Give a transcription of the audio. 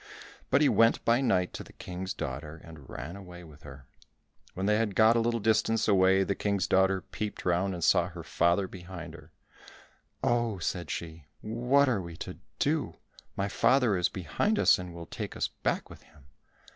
But he went by night to the King's daughter and ran away with her. When they had got a little distance away, the King's daughter peeped round and saw her father behind her. "Oh," said she, "what are we to do? My father is behind us, and will take us back with him.